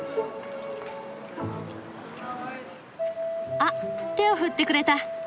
あっ手を振ってくれた。